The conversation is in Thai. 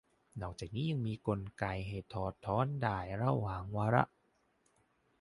นอกจากนี้ยังมีกลไกให้ถอดถอนได้ระหว่างวาระ